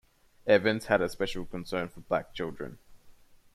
Evans had a special concern for black children.